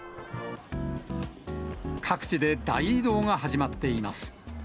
各地で大移動が始まっています。